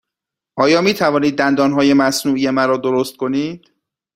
آیا می توانید دندانهای مصنوعی مرا درست کنید؟